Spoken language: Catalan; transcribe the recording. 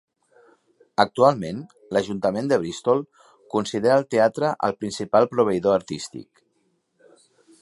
Actualment l'Ajuntament de Bristol considera el teatre el principal proveïdor artístic.